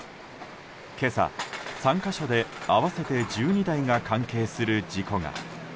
今朝、３か所で合わせて１２台が関係する事故が。